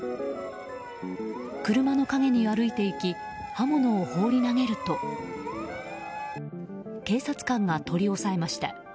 車の陰に歩いて行き刃物を放り投げると警察官が取り押さえました。